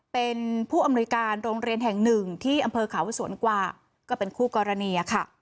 เป็นผู้อำนวยการโรงเรียนแห่งหนึ่งที่อำเภอขาวสวนกว่าก็เป็นคู่กรณีค่ะ